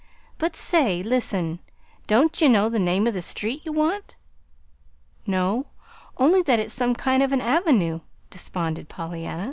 "But, say, listen! Don't ye know the name of the street ye want?" "No only that it's some kind of an avenue," desponded Pollyanna.